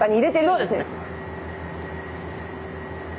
はいそうですね。